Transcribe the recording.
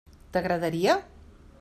T'agradaria?